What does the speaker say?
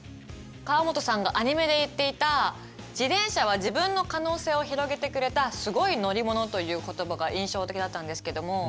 川本さんがアニメで言っていた「自転車は自分の可能性を広げてくれたすごい乗り物」という言葉が印象的だったんですけども。